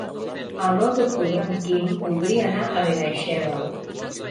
El nou d'octubre en Quim voldria anar a Benaixeve.